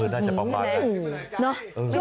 น่าจะประมาณแบบนี้